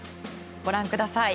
ご覧ください。